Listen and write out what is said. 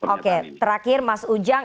oke terakhir mas ujang